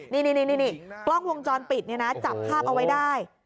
นี่กล้องวงจรปิดจับภาพเอาไว้ได้